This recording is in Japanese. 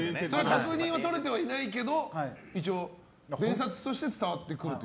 確認はとれていないけど伝説として伝わってくると。